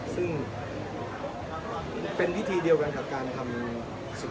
ซึ่งเป็นพิธีเดียวกันกับการทำสิ่งที่มของคุณ